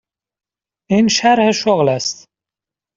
این شرح شغل است.